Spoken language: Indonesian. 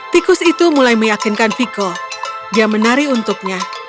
tikus itu mulai meyakinkan vekol dia menari untuknya